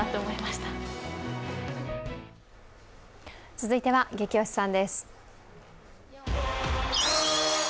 続いては「ゲキ推しさん」です。